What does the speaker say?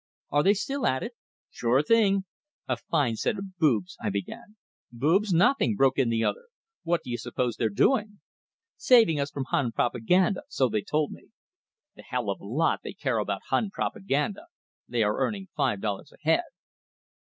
"Are they still at it?" "Sure thing!" "A fine set of boobs," I began "Boobs, nothing!" broke in the other. "What do you suppose they're doing?" "Saving us from Hun propaganda, so they told me." "The hell of a lot they care about Hun propaganda! They are earning five dollars a head."